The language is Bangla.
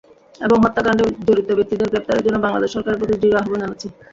এবং হত্যাকাণ্ডে জড়িত ব্যক্তিদের গ্রেপ্তারের জন্য বাংলাদেশ সরকারের প্রতি দৃঢ় আহ্বান জানাচ্ছি।